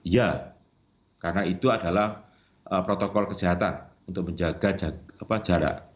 ya karena itu adalah protokol kesehatan untuk menjaga jarak